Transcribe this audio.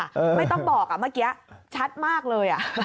ไม่ต้องบอกเมื่อกี้ชัดมากเลย